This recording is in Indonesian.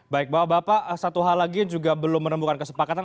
baik bapak bapak satu hal lagi yang juga belum menemukan kesepakatan